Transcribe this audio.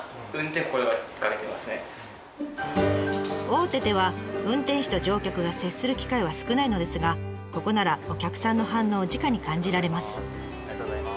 大手では運転士と乗客が接する機会は少ないのですがここならお客さんの反応をじかに感じられます。